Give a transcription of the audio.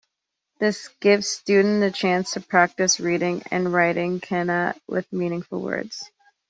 This gives students a chance to practice reading and writing kana with meaningful words.